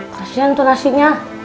kasian tuh nasinya